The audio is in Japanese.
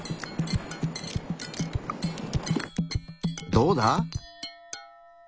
どうだ？